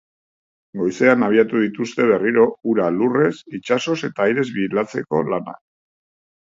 Goizean abiatu dituzte berriro hura lurrez, itsasoz eta airez bilatzeko lanak.